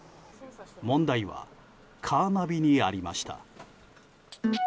問題はカーナビにありました。